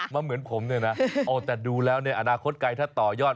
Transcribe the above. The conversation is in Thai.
มาเหมือนผมนะนะแต่ดูแล้วอาณาคตใกล้ถ้าต่อยอด